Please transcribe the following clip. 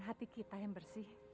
nanti kita yang bersih